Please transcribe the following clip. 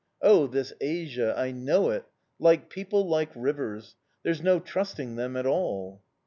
Oh, this Asia, I know it! Like people, like rivers! There's no trusting them at all!"